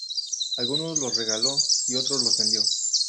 Algunos los regaló y otros los vendió.